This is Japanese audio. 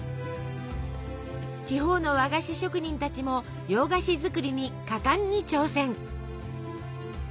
地方の和菓子職人たちも洋菓子作りに果敢に挑戦。